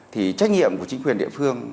thì trách nhiệm của chính quyền địa phương